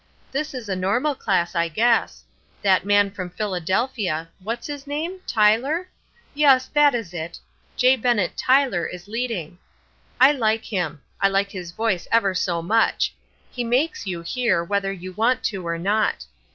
"This is a normal class, I guess. That man from Philadelphia what is his name? Tyler? Yes, that is it J. Bennet Tyler is leading. I like him; I like his voice ever so much; he makes you hear, whether you want to or not.